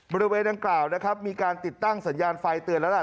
บริเวณดังกล่าวนะครับมีการติดตั้งสัญญาณไฟเตือนแล้วล่ะ